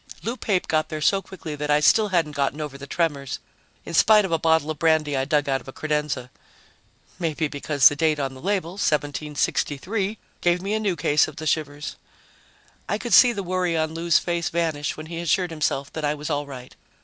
Lou Pape got there so quickly that I still hadn't gotten over the tremors, in spite of a bottle of brandy I dug out of a credenza, maybe because the date on the label, 1763, gave me a new case of the shivers. I could see the worry on Lou's face vanish when he assured himself that I was all right.